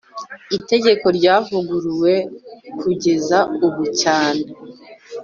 itegeko ryavuguruwe kugeza ubu cyane